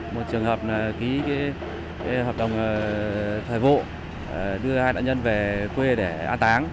một trường hợp ký hợp đồng thời vụ đưa hai nạn nhân về quê để an táng